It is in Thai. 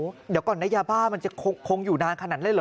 เดี๋ยวก่อนนะยาบ้ามันจะคงอยู่นานขนาดนั้นเลยเหรอ